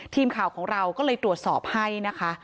ทีมข่าวของเราก็เลยตรวจสอบให้นะคะ